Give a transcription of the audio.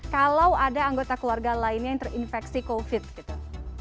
kalau ada anggota keluarga lainnya yang terinfeksi covid gitu